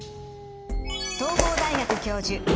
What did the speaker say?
東邦大学教授